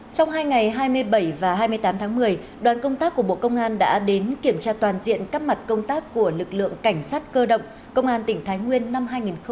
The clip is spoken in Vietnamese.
trong hai ngày hai mươi bảy và hai mươi tám tháng một mươi đoàn công tác của bộ công an đã đến kiểm tra toàn diện các mặt công tác của lực lượng cảnh sát cơ động công an tỉnh thái nguyên năm hai nghìn hai mươi ba